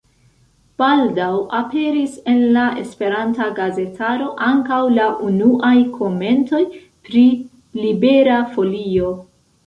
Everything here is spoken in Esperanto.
Baldaŭ aperis en la esperanta gazetaro ankaŭ la unuaj komentoj pri Libera Folio.